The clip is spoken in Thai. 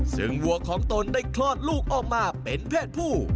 ซึ่งวัวของตนได้คลอดลูกออกมาเป็นเพศผู้